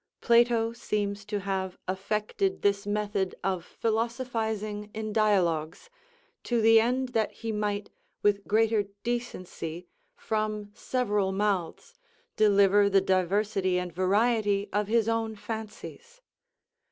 Plato seems to have affected this method of philosophizing in dialogues; to the end that he might with greater decency, from several mouths, deliver the diversity and variety of his own fancies.